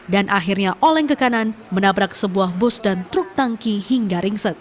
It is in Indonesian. dan akhirnya oleng ke kanan menabrak sebuah bus dan truk tangki hingga ringsek